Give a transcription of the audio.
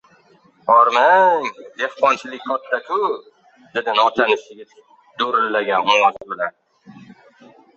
— Hormang, dehqonchilik katta-ku! — dedi notanish yigit do‘rillagan ovoz bilan.